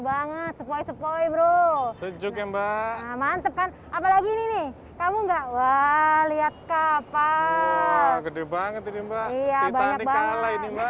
banget sepoi sepoi bro sejuk mbak mantep kan apalagi ini kamu enggak wah lihat kapal